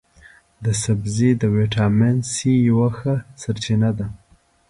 دا سبزی د ویټامین سي یوه ښه سرچینه ده.